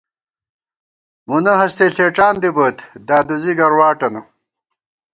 مونہ ہستے ݪېڄان دِبوئیت ، دادُوزی گرواٹَنہ